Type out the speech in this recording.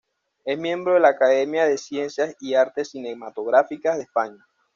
Es miembro de la Academia de Ciencias y Artes Cinematográficas de España.